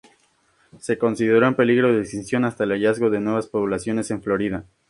Se consideró en peligro de extinción hasta el hallazgo de nuevas poblaciones en Florida.